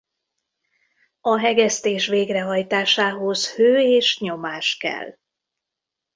A hegesztés végrehajtásához hő és nyomás kell.